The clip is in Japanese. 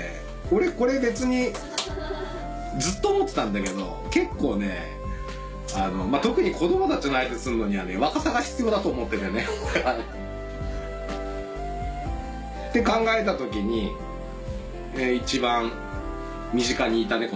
俺これ別にずっと思ってたんだけど結構ね特に子どもたちの相手するのにはね若さが必要だと思っててね。って考えた時に一番身近にいたね